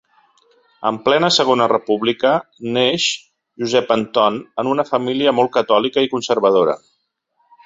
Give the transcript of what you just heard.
En plena Segona República neix Josep Anton en una família molt catòlica i conservadora.